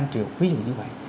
ba năm triệu ví dụ như vậy